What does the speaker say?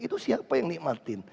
itu siapa yang menikmatkan